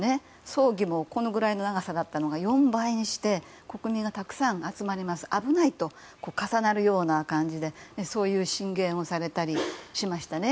葬儀も通常のものが４倍にして国民がたくさん集まりますと危ないと、重なるような形でそういう進言をされたりしましたね。